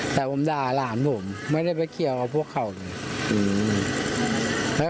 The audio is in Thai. แต่ผมด่าหลานผมไม่ได้ไปเกี่ยวกับพวกเขาเลย